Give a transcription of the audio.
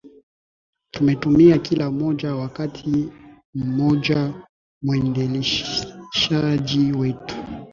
tumetumia kila moja Wakati mmoja mwendeshaji wetu